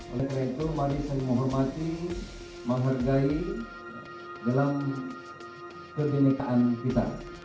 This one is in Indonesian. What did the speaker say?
oleh karena itu mari saling menghormati menghargai dalam kebenekaan kita